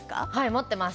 持ってます。